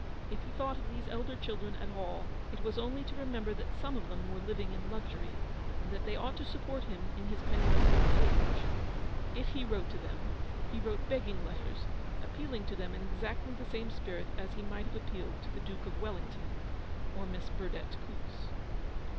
If he thought of these elder children at all, it was only to re member that some of them were living in luxury, and that they ought to support him in his penniless old age. If he wrote to them, he wrote begging letters, appealing to them in exactly the same spirit as he might have appealed THE STORY OF THE PAST. 51 to the Duke^ of Wellington or Miss Burdett Coutts.